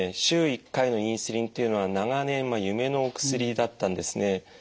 週１回のインスリンというのは長年夢の薬だったんですね。